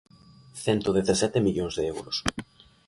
Cento dezasete millóns de euros.